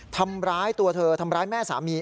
ทำร้ายตัวเธอทำร้ายแม่สามี